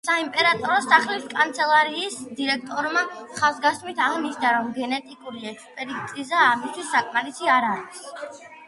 საიმპერატორო სახლის კანცელარიის დირექტორმა ხაზგასმით აღნიშნა, რომ გენეტიკური ექსპერტიზა ამისთვის საკმარისი არ არის.